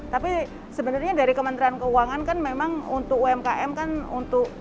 tapi sebenarnya dari kementerian keuangan kan memang untuk umkm kan untuk